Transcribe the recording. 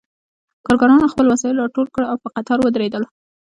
کارګرانو خپل وسایل راټول کړل او په قطار ودرېدل